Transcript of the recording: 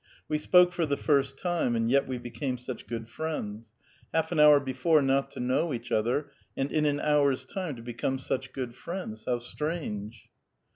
" We spoke for the first time, and yet we became such good friends ; half an hour before not to know each other, and in an hour's time to become such good friends, how strange